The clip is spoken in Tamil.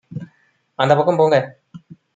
அந்தப் பக்கம் போங்க